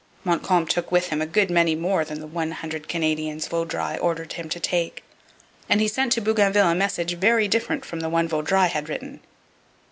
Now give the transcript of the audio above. Montcalm took up with him a good many more than the 'one hundred Canadians' Vaudreuil ordered him to take, and he sent to Bougainville a message very different from the one Vaudreuil had written.